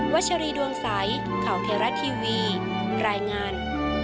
ชัชรีดวงใสข่าวเทราะทีวีรายงาน